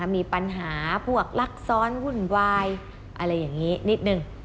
มีปัญหาพวกลักซ้อนวุ่นวายอะไรอย่างนี้นิดนึง